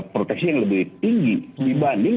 proteksi yang lebih tinggi dibanding